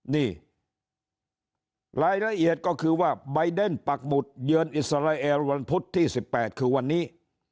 นี่รายละเอียดก็คือว่าใบเดนปักหมุดเยือนอิสราเอลวันพุธที่๑๘คือวันนี้